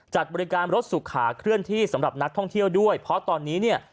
จัดบริการรถสุขาเคลื่อนที่สำหรับนักท่องเที่ยวด้วยเพราะตอนนี้เนี่ย